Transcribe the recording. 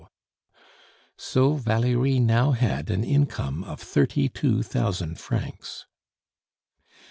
So Valerie now had an income of thirty two thousand francs.